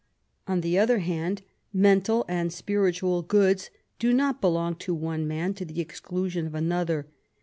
On the other hand, mental and spiritual goods do not belong to one man to the exclusion of another.